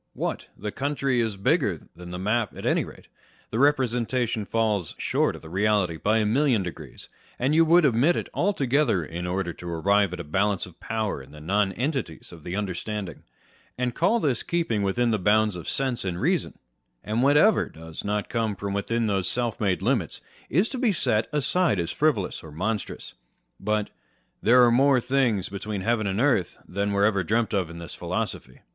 What ! the county is bigger than the map at any rate : the representation falls short of the reality by a million degrees, and you would omit it altogether in order to arrive at a balance of power in the nonentities of the understanding, and call this keeping within the bounds of sense and reason ; and whatever does not come within those self made limits is to be set aside as frivolous or monstrous. But " there are more things between heaven and earth than were ever dreamt of in this philosophy."